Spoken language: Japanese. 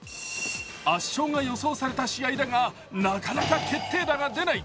圧勝が予想された試合だがなかなか決定打が出ない。